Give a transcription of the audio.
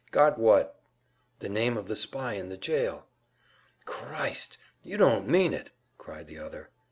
"Got what?" "The name of the spy in the jail." "Christ! You don't mean it!" cried the other.